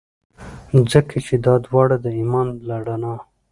ځکه چي دا داوړه د ایمان له رڼا.